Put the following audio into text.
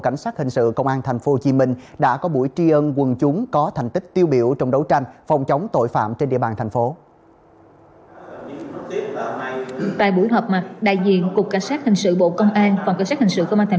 tại buổi họp mặt đại diện cục cảnh sát hành sự bộ công an và cảnh sát hành sự công an